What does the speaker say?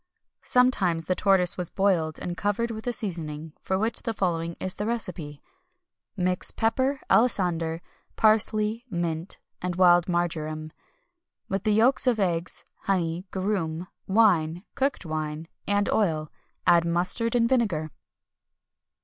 [XXI 258] Sometimes the tortoise was boiled, and covered with a seasoning, for which the following is the recipe: Mix pepper, alisander, parsley, mint, and wild marjoram, with the yolks of eggs, honey, garum, wine, cooked wine, and oil; add mustard and vinegar.